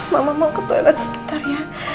mama mau ke toilet sebentar ya